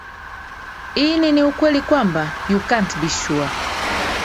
ini ni ukweli kwamba you cant be sure